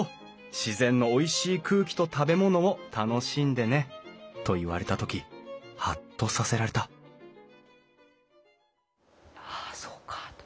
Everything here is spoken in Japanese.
自然のおいしい空気と食べ物を楽しんでね」と言われた時ハッとさせられたああそうかあと。